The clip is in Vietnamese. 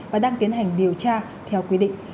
và đang tiến hành điều tra theo quy định